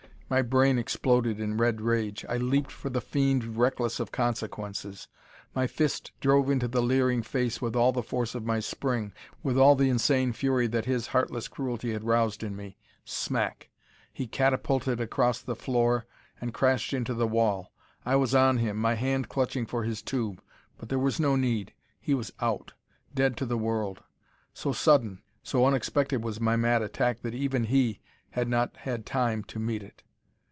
My brain exploded in red rage. I leaped for the fiend, reckless of consequences. My fist drove into the leering face with all the force of my spring, with all the insane fury that his heartless cruelty had roused in me. Smack! he catapulted across the floor and crashed into the wall! I was on him, my hand clutching for his tube. But there was no need. He was out dead to the world. So sudden, so unexpected was my mad attack that even he had not had time to meet it.